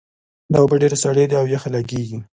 دا اوبه ډېرې سړې دي او یخې لګیږي